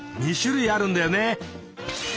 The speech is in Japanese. ２種類あるんだよね。